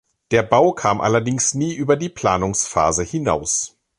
Der Bau kam allerdings nie über die Planungsphase hinaus.